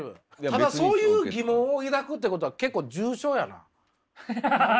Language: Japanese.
ただそういう疑問を抱くってことはハハハハハ。